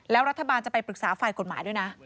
แล้วรัฐบาลจะไปปรึกษาฝ่ายกฎหมายด้วยนะ